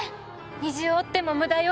虹を追っても無駄よ。